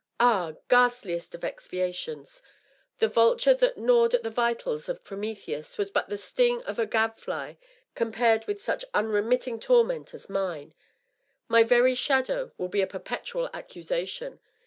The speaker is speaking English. Ah, ghastliest of expiations ! The vulture that gnawed at the vitals of Prometheus was but the sting of a gadfly com pared with such unremitting torment as mine I My very shadow.will DC a perpetual accusation.